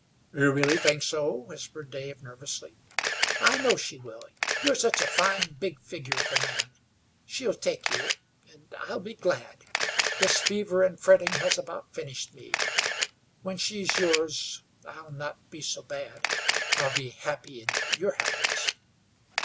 "You really think so?" whispered Dave, nervously. "I know she will. You're such a fine, big figure of a man. She'll take you, and I'll be glad. This fever and fretting has about finished me. When she's yours I'll not be so bad. I'll be happy in your happiness.